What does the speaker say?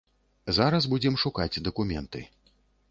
Зараз будзем шукаць дакументы.